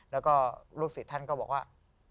แล้วก็ลูกศิษย์ท่านก็บอกว่า